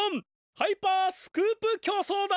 ハイパースクープ競走だ！